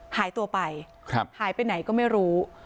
หายตัวไปหายไปไหนก็ไม่รู้